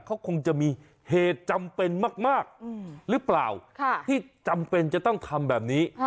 เขาคงจะมีเหตุจำเป็นมากหรือเปล่าที่จำเป็นจะต้องทำแบบนี้